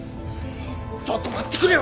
ちょっと待ってくれよ！